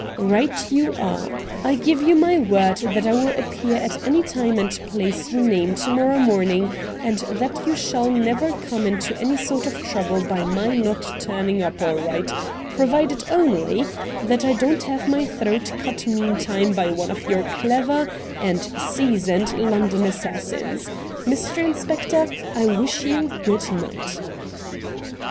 'Eight you are. I give you my word that I will appear at any time and place you name to morrow morning, and that you shall never come into any sort of trouble by my not turning up all right, provided only that I K 2 132 RED DIAMONDS don't have my throat cut meantime by one of your clever and seasoned London assassins. Mr. Inspector, I wish you good night.'